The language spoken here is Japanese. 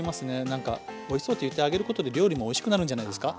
なんか「おいしそう」って言ってあげることで料理もおいしくなるんじゃないですか。